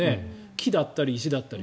木だったり石だったり。